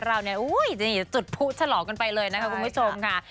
เรานี่จุดผู้ฉลอกไปเลยนะคุณผู้ชมค่ะ